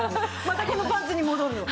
またこのパンツに戻るの。